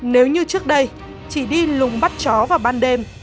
nếu như trước đây chỉ đi lùng bắt chó vào ban đêm